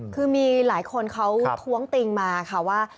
คือมีหลายคนเขาท้วงติงมาค่ะว่า